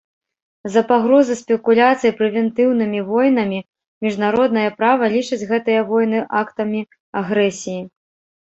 З-за пагрозы спекуляцый прэвентыўнымі войнамі міжнароднае права лічыць гэтыя войны актамі агрэсіі.